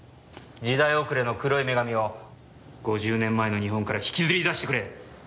時代遅れの黒い女神を５０年前の日本から引きずり出してくれ！